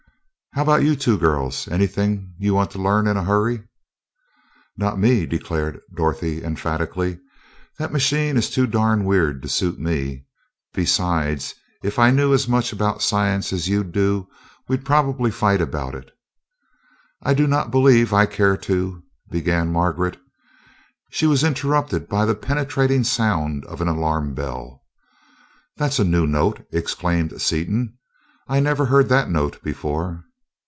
"How about you two girls anything you want to learn in a hurry?" "Not me!" declared Dorothy emphatically. "That machine is too darn weird to suit me. Besides, if I knew as much about science as you do, we'd probably fight about it." "I do not believe I care to...." began Margaret. She was interrupted by the penetrating sound of an alarm bell. "That's a new note!" exclaimed Seaton, "I never heard that note before."